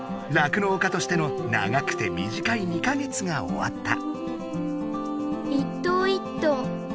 酪農家としての長くてみじかい２か月が終わった。